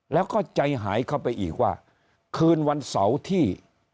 แล้วก็ใจหายเข้าไปอีกว่าคืนวันเสาร์ที่